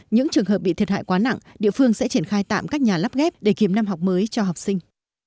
những trường hợp bị thiệt hại quá nặng địa phương sẽ triển khai tạm các nhà lắp ghép để kiếm năm học mới cho học sinh